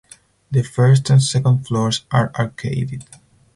The first and second floors are arcaded.